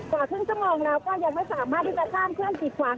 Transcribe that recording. กว่าครึ่งชั่วโมงแล้วก็ยังไม่สามารถที่จะสร้างเครื่องกิดขวาง